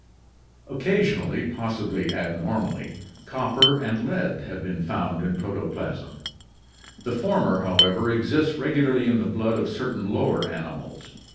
Occasionally, possibly abnormally, copper and lead have been found in protoplasm; the former, however, exists regularly in the blood of certain lower animals.